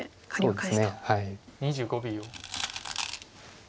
２５秒。